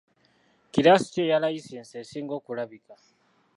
Kiraasi ki eya layisinsi esinga okulabika?